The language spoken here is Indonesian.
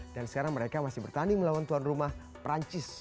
dan sekarang mereka masih bertanding melawan tuan rumah perancis